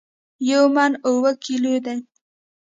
یو من اوو کیلو دي